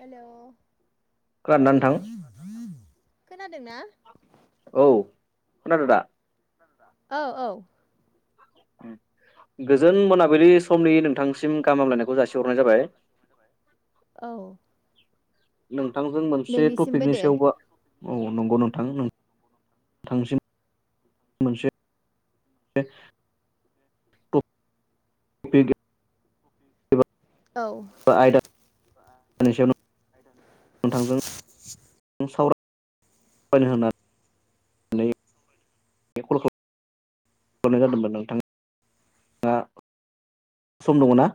हेल' खोनना थां? खोनादों ना? औ। खोनदो दा? औ औ। गोजोन मोननाबलि जाबाय [inaudible] औ। नोंथांजों मोनसे नोंनिसिमबो टपिकनि दे सायावबो औ नंगौ नोंथां नोंथांसिम मोनसे [unintelligible] [unintelligible] [unintelligible] औ आयदा [unintelligible] नोंथांजों साव [unintelligible] होनना बे कल खालामनाय जादोंमोन नोंथाङा सम दङ ना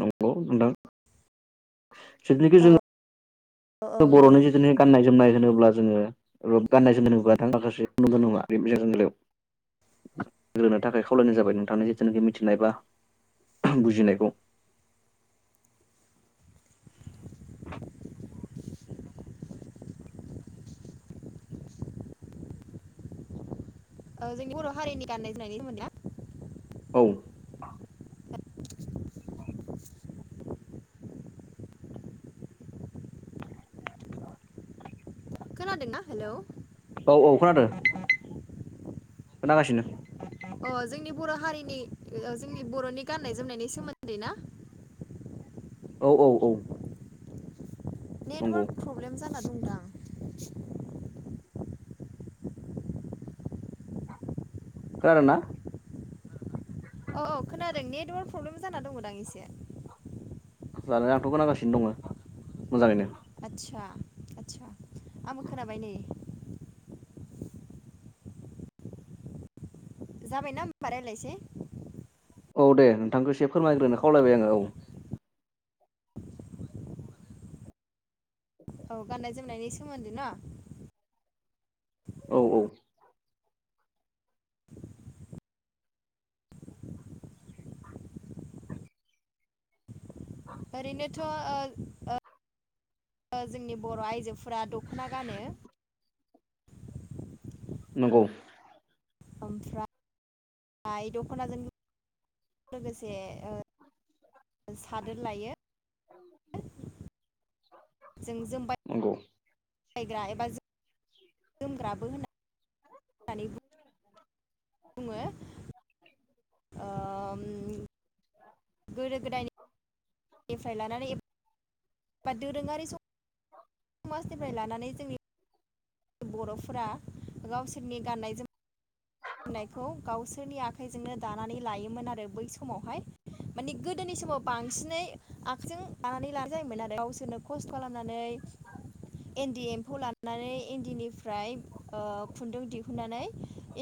नंगौ नोंथां जथनाखि औ जोङ औ दे बर'नि जथु गाननाय जोमनाय होनोब्ला जोङो गाननाय जोम माखासेु नङा जोंगायाव ्रोनो थाखाय खावलायनाय जाबाय नोंथांनि जिथुनाखि मिथिनाय बा बुजिनायखौ ओ जोंनि बर' हारिनि गाननाय जोमनायनि सोमोन्दैया औ [unintelligible] [inaudible] खोनादोंना हेलौ औ औ खोनादों खोनागासिनो अ जोंनि बर हारिनि जोंनि बरनि गाननाय जोमनायनि सोमोन्दै ना औ औ औ नंगौ नेटवार्क प्रब्लेम जाना दंदां खोनादोंना? औ खोनादों नेटवार्क प्रब्लेम जाना दंदां एसे जानाय आंथ खोनागासिनो दङ मोजाङैनो आदसा आदसा आंबो खोनाबाय नै जाबायखोमा राय्लायसै औ दे नोंथांखौ एसे फोरमायग्रोनो खावलायबाय आङो औ औ गाननाय जोमनायनि सोमोन्दै ना औ औ दं ओ ओ जोंनि बर आइजोफोरा दखना गानो नंगौ ओमफ्राय आइ दखनाजों लोगोसे ओ सादोर लायो जों जोमबाय नंगौ बायग्रा एबा जोमग्राबो होननानै होननानै बुङ बुङो ओम, [unintelligible] गोदो गोदायनिनिफ्राय लानानै ए बा दोरोङारि सम समाजनिफ्राय लानानै जोंनि बरफोरा गावसोरनि गाननाय जोमनायोमनायखौ गावसोरनि आख आखाइजोंनो दानानै लायोमोन आरो बै समावहाय मानि गोदोनि समाव बांसिनै आखाइजों बानानै ला जायोन आरो गावसोरनो खस्थ खालामनानै इन्दि एम्फौ लानानै इन्दिनिफ्राय ओ खुन्दुं दिहुननानै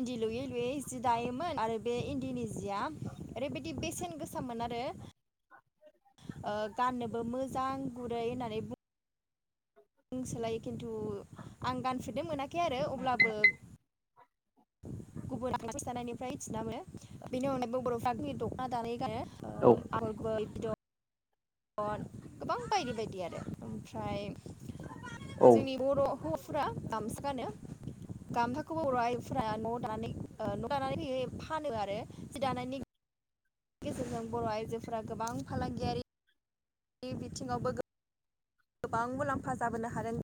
इन्दि लुयै लुयै जि दायोमोन आरो बे इन्दिनि जिया ओरैबायदि बेसेन गोसामोन आरो ओ गाननोबो मोजां गुरै होननानै बु ओं सोलायो खिन्थु आं गानफेरदों मोनाखै आरो अब्लाबो [unintelligible] गुबुन आ ख दानायनिफ्राय थिन्ना मोनो बेनि अनगायबो बर'फ्रा दख'ना दानाय औ गानो [unintelligible] ओ गोबां बायदि बायदि आरो ओमफ्राय औ जोंनि बर हौवाफ्रा गामसो गानो गामसाखौबो बर आइफोरा न द न दानानैयो फानो आरो जि दानायनि बेनि गेजेरजों बर आइजोफोरा गोबां फालांगियारि बिथिङावबो गो गोबां मुलाम्फा जाबोनो हादों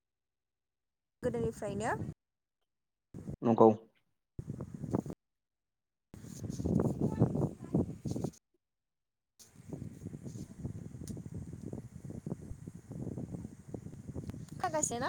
गोदोनिफ्रायनो नंगौ, [unintelligible] खोनागासेना